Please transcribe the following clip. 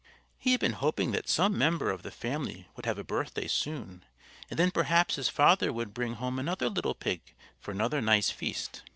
He had been hoping that some member of the family would have a birthday soon, and then perhaps his father would bring home another little pig for another nice feast.